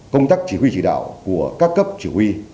công tác chỉ huy chỉ đạo của các cấp chỉ huy